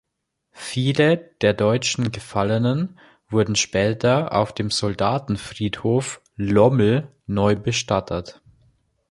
Viele der deutschen Gefallenen wurden später auf dem Soldatenfriedhof Lommel neu bestattet.